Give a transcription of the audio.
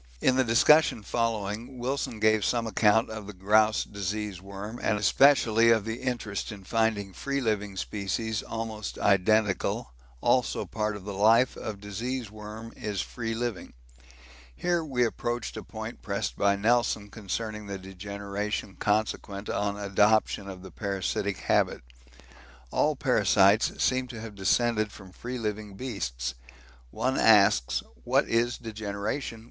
In the discussion following Wilson gave some account of the grouse disease worm, and especially of the interest in finding free living species almost identical; also part of the life of disease worm is free living. Here we approached a point pressed by Nelson concerning the degeneration consequent on adoption of the parasitic habit. All parasites seem to have descended from free living beasts. One asks 'what is degeneration?'